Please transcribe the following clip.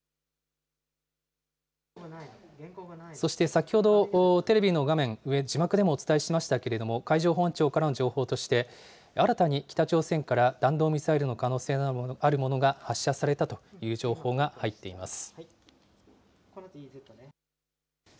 そして先ほど、テレビの画面、上、字幕でもお伝えしましたけれども、海上保安庁からの情報として、新たに北朝鮮から弾道ミサイルの可能性のあるものが発射されたという情報が入っています。